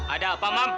ada apa mam